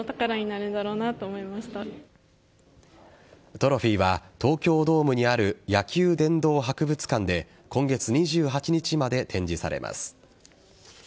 トロフィーは東京ドームにある野球殿堂博物館で今月２８日まで展示されます。